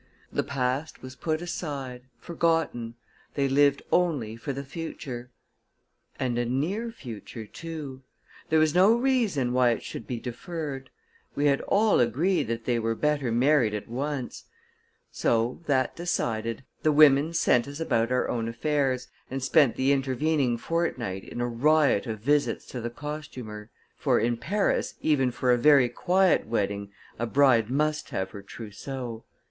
The past was put aside, forgotten; they lived only for the future. And a near future, too. There was no reason why it should be deferred; we had all agreed that they were better married at once; so, that decided, the women sent us about our own affairs, and spent the intervening fortnight in a riot of visits to the costumer: for, in Paris, even for a very quiet wedding, a bride must have her trousseau.